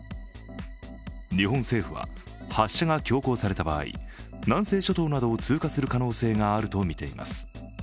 日本政府は発射が強行された場合、南西諸島などを通過する可能性があるとみています。